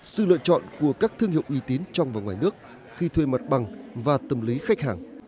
sự lựa chọn của các thương hiệu uy tín trong và ngoài nước khi thuê mặt bằng và tâm lý khách hàng